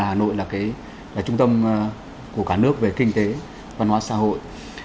hà nội là trung tâm của cả nước về kinh tế văn hóa xã hội